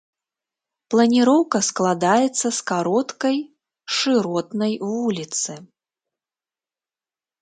Планіроўка складаецца з кароткай шыротнай вуліцы.